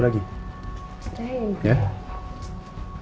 bisa diwakilkan dengan biaya satu lagi